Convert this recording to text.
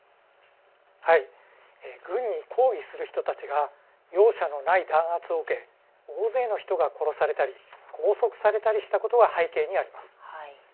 軍に抗議する人たちが容赦のない弾圧を受け大勢の人が殺されたり拘束されたりしたことが背景にあります。